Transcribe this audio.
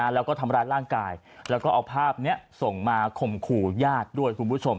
แล้วก็ทำร้ายร่างกายแล้วก็เอาภาพนี้ส่งมาข่มขู่ญาติด้วยคุณผู้ชม